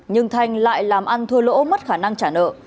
nhưng thanh lại làm ăn thua lỗ mất khả năng trả nợ